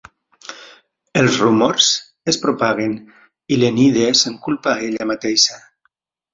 Els rumors es propaguen i l'Enide se'n culpa a ella mateixa.